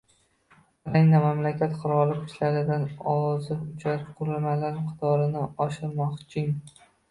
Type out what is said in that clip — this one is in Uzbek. Ukraina mamlakat qurolli kuchlaridagi o‘ziuchar qurilmalar miqdorini oshirmoqching